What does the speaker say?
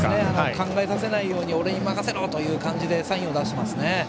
考えさせないように俺に任せろ！という感じでサインを出していますね。